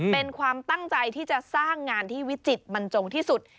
เป็นความตั้งใจที่จะสร้างงานที่วิจิตรบรรจงที่สุด